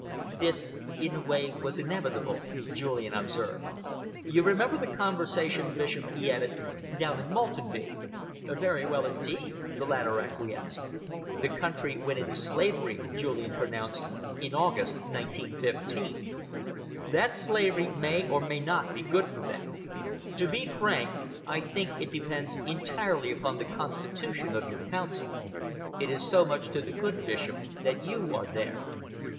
"This, in a way, was inevitable," Julian observed. "You remember the conversation, Bishop," he added, "down at Maltenby?" "Very well indeed," the latter acquiesced. "The country went into slavery," Julian pronounced, "in August, 1915. That slavery may or may not be good for them. To be frank, I think it depends entirely upon the constitution of your Council. It is so much to the good, Bishop, that you are there."